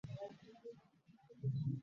সে কিছুই জানে না।